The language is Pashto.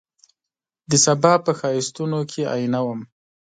دسبا په ښایستون کي آئینه وم